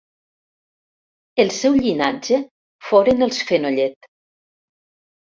El seu llinatge foren els Fenollet.